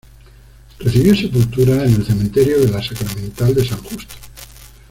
Recibió sepultura en el cementerio de la Sacramental de San Justo.